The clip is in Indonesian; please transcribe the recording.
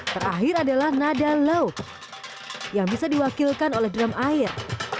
terakhir adalah nada law yang bisa diwakilkan oleh drum air